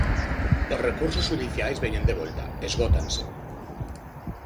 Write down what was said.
Os recursos xudiciais veñen de volta, esgótanse.